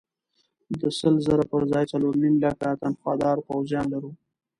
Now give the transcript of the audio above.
د سل زره پر ځای څلور نیم لکه تنخوادار پوځیان لرو.